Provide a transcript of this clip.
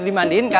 udah udah udah